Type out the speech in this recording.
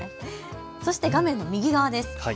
そして画面の右側です。